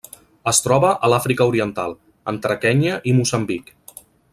Es troba a l'Àfrica Oriental entre Kenya i Moçambic.